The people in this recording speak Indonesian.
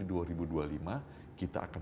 di dua ribu dua puluh lima kita akan